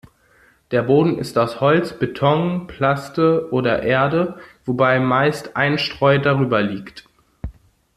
Der Boden ist aus Holz, Beton Plaste oder Erde, wobei meist Einstreu darüber liegt.